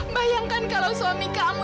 bayangkan kalau suami kamu